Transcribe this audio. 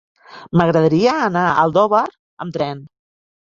M'agradaria anar a Aldover amb tren.